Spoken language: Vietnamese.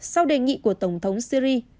sau đề nghị của tổng thống syria